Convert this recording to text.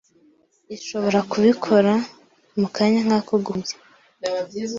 ishobora kubikora mu kanya nk’ako guhumbya